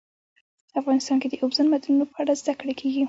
افغانستان کې د اوبزین معدنونه په اړه زده کړه کېږي.